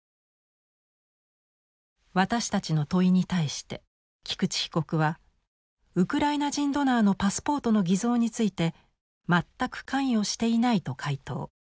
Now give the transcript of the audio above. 私たちの問いに対して菊池被告はウクライナ人ドナーのパスポートの偽造について全く関与していないと回答。